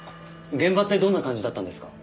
現場ってどんな感じだったんですか？